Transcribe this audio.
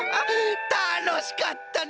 たのしかったな！